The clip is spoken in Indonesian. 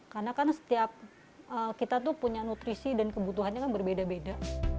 karena kan setiap kita tuh punya nutrisi dan kebutuhannya kan berbeda beda